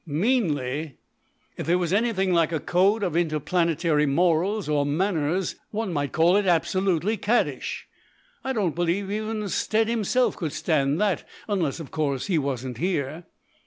"Meanly? If there was anything like a code of interplanetary morals or manners one might call it absolutely caddish. I don't believe even Stead himself could stand that unless, of course, he wasn't here."